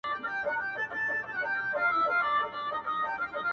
او تر سپين لاس يې يو تور ساعت راتاو دی،